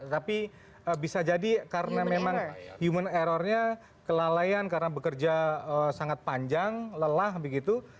tapi bisa jadi karena memang human errornya kelalaian karena bekerja sangat panjang lelah begitu